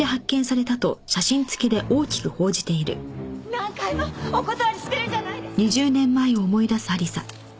何回もお断りしてるじゃないですか！